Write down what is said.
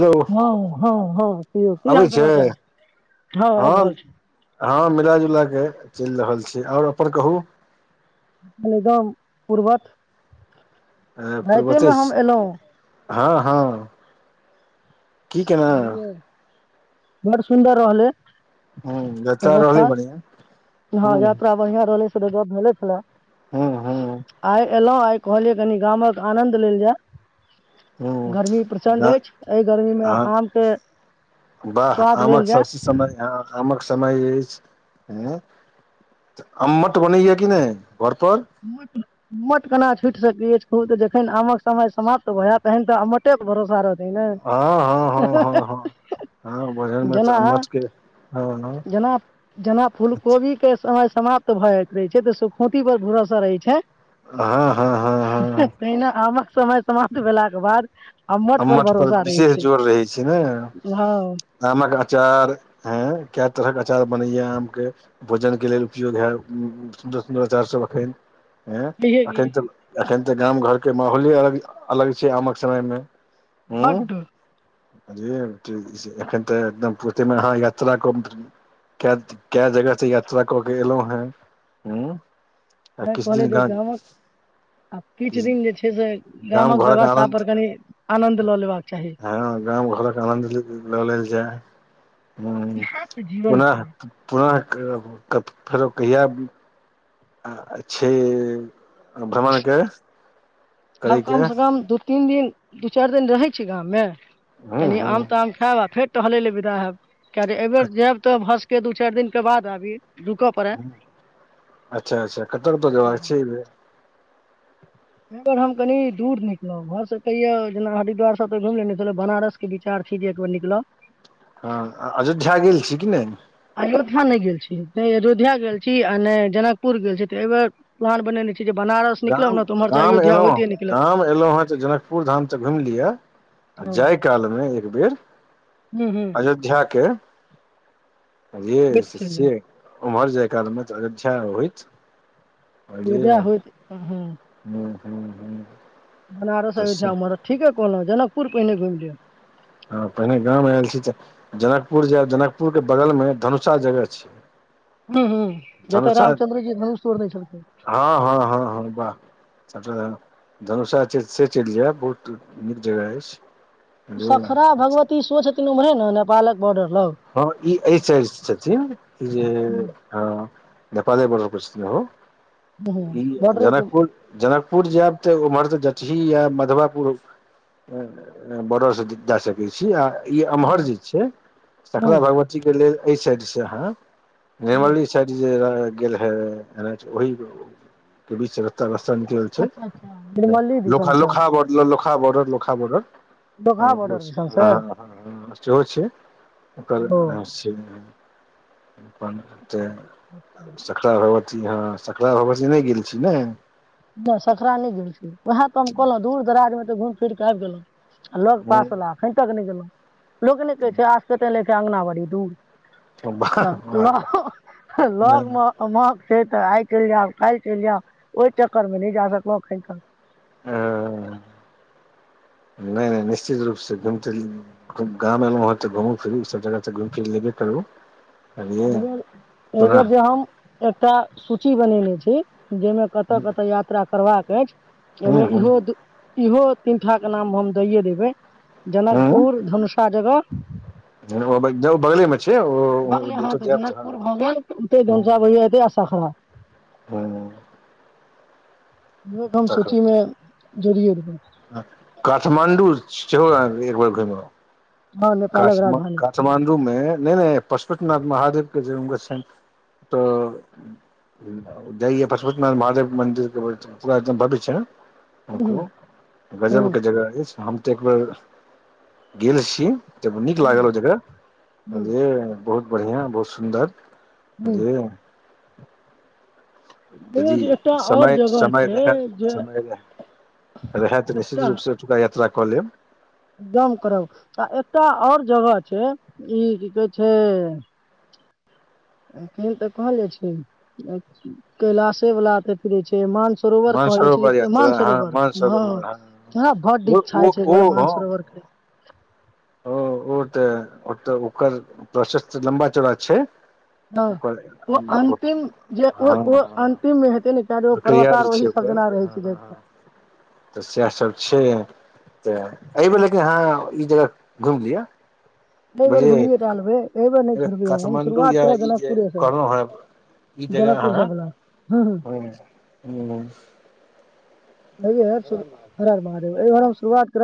Hello हँ हँ हँ कहीयौ की अबै हाल छै समाचार हँ आबि रहल छी। हँ मिलाजुला कऽ चलि रहल छैय आओर अपन कहू। एकदम पूरवक। आ पुर्वाते हम छी एलहुँ हँ हँ। की केना बुझलियै बड़ सुन्दर रहलै। ह जतरा रहलै व्यवस्था बढ़िआ। हँ यात्रा बढ़िया रहलै से त गप भेले छला ह आइ एलहु आय कहलियै कनि गामक आनंद लेल ह जाय। गर्मी प्रचंड अछि एहि गर्मी ह मे हँ आम के वाह आमक स समय ह आमक समय अछि। अम्मट बनैया कि नहि घर पर? [unintelligible] अम्मत केना छुटि सकैया कहू तऽ जखन आमक समय समाप्त भए जायत तहन तऽ अमटे के भरोसा रह तै ने हँ हँ हँ हँ हँ [unintelligible] हँ वजन मे त जेना अम्मट के हँ हँ जेना जेना फूल कोबी के समय समाप्त भऽ जाइत रहै छैय तऽ सुखती पर भरोसा रहै छैय। हँ हँ हँ हँ तहिना आमक समय समाप्त भेला के बाद अम्मट अम्मठ पर भरोसा रहै विशेष छै जोर रहै छैय ने। हँ आमक अचार ह कय तरह के अचार बनैया आम के। भोजन के लेल उपयोग है सुन्दर सुन्दर अचार सभ एखन। हे कहियै की एखन तऽ एखन तऽ गाम घर के माहौले अलग अलग छैय आमक समय मे। बड्ड अ एखन तऽ एकदम पफूर्ती मे अहाँ यात्रा कम कय कय जगह से त यात्रा कऽ के एलहुं हें हु। [unintelligible] आब किछ दिन जे छैय से गाम गामक घरक व्यवथा आनन्द पर कनि आनन्द लऽ लेबक चाही। हँ गाम घरक आनन्द ल ल लेल जाय जीवन ओना छै पुनः फेरो कहिया छैय भ्रमण के? आब करैके कम सँ कम दू तीन दिन दू चारि दिन रहै छै गाम मे हूँ कनी हूँ आम ताम खायब आ फेर टहले ल विदा हयब किए एहिबेर जायब तऽ भ के दू चारि दिन के बाद आबी दूकप अच्छा अच्छा कतर त जबाक बाक छै एखन हम कनी दूर निकलहुं घर से कहिये जेना हरिद्वार सब त घुमि लेने छलै बनारस विचार छै जे एकबेर निकलब हँ अयोध्या गेल छी कि नहि अयोध्या ने गेल छी न अयोध्या गेल छी आ नहि जनकपुर गेल छी ते ए बेर पहान बनेने छी जे बनारस निकलब गाम ने तऽ उम्हर से गाम अयोध्या एलहु होइते ह निकलब गाम एलहु हें तऽ जनकपुर धाम त घुम लिअ हँ जाय हूँ कालमे एक बेर हूँ अयोध्याके जे होइत चलि से जायब ओम्हर जाय कालमे तऽ अयोध्या होइत अरे बेध होत ह [unintelligible] हूँ हूँ हूँ बनारस तऽ से अयोध्या हमर ठीके कहलौं जनकपुर पहिने गेलए हँ पहिने गाँव मे आयल छी तऽ जनकपुर जायब जनकपुर के बगल मे धनुषा जगह छी हू हूँ जतय रामचंन्द्र जी धनुष तोरने छलखिन हँ हँ हँ हँ बाह हम धनुषा छै से चलि जायब बहुत नीक जगह अछि बुझलियै सखरा भगवती सो छथिन उम्हरे ने नेपालक बॉर्डर लग हँ ई एहि साइड से छथिन जे हूँ हँ नेपाले बोर्डर पर हूँ छलैह बॉर्डरे पे जनकपुर जनकपुर जायब तऽ उम्हर से जटही या मधबापुर बॉर्डरसँ जा सकैत छी आ ई अम्हर हूँ जे छै हूँ सकरा भगवती के लेल एहि साइड से यहाँ हूँ निर्मली जे गेल हे ओहि के बीच रस्ता रस्ता निकलल छै अच्छा अच्छा निर्मली दिसन लोकहा सँ लोकहा लोखा बर्डर लोखा बर्डर दोकहा बॉर्डर दिसन सँ होइ छै ओकर ओ रसत अच्छा [inaudible] सकरा भगवती हँ सकरा भगवती नहि गेल छी ने नहि सखरा न नहि गि छी उएहा तऽ हम कहलहुँ दूर दराजमे तऽ घुमि फिर कऽ आबि गेलहुँ लग हूँ, पासवला एखन तक नहि गेलहुँ लोक नहि कहै छै आस कहे छै अंगना बड़ी दूर वाह वाह वाह। हँ, लग म [inaudible] महक छै तऽ आइ चलि जाउ काल्हि चलि जाउ चक्कर मे नहि जा सकलौं एखन तक हँ नहि नहि निश्चित रूप से चैल जेबै गाम एलहुं हँ तऽ घुम फिरू ई सब जगह घुमि फिर लेबे करू बुझलियै एहि बेर एहि कोना बेेर जे हम एकटा सूची बनेने छी जाहिमे कतऽ कतऽ यात्रा करबाक अछि हूँ ओहिमे हूँ इहो इहो तीन ठाक के नाम हम दइे देबै जनकपुर धनुषा जगह बगले मे [inaudible] छे ओ [inaudible] जतऽ जायब तऽ हँ जनकपुर भै हूँ ए आसाखा हूँ देख हम तखन सूचीमे जोड़िये देबै काठमाण्डू सेहो अहाँ एक बार घुमि आउ हँ नेपालक काठमा राजधानी काठमाण्डू मे नहि नहि पशुपतिनाथ महादेव के जे हुनकर छनि तऽ जाइ पशुपति नारायण महादेव मन्दिर पूरा एकदम भवित छै हूँ ओकरो हूँ गजब के जगह अछि हम तऽ एक बेर गेल छी तब नीक लागल हूँ ओ जगह हूँ बुझलियै बहुत बढ़ियाँ बहुत सुन्दर हूँ बुझलियै देखियौ यदि जे एकटा आओर समय जगह समय छै रहै जे समय रह रहै तऽ निश्चित एकटा रूप से अतुका यात्रा कालेब दम करब आ एकटा आओर जगह छै ई की कहै छै केहन तऽ कहल जाइ छै कैलाशे वला तथीरे छै मान सरोवर कहल जाइ मानसरोवर छै कि यात्रा मान हँ सरोवर म मानसरोवर हँ भड ओ इचछा ओ छै एक ओ बेर हँ मानसरोबर [unintelligible] ओ ओ तऽ तऽ ओकर प्रशस लंबा चौड़ा छै हँ ओकर ओ अन्तिम जे ओ हँ ओ हँ अन्तिममे हेतै ने [unintelligible] प्रक्रिया जे पर्वतार छै ओही ओकर सब जेना रहै हँ छै हँ जा हँ तऽ सएहसभ छै तऽ एहि बेर लेकिन हँ ई जगह घुमयलियै एहि बेर घुमिये टा लेबै एहि बेर नहि बुझलए छोड़बै हम हम काठमाण्डू शुरुआत या करब ई जे जनकपुरे से कहनो ह ई जगह जनकपुर ह से बला हूँ हूँ ह ह अ हरर महादेवर हम शुरुआत करब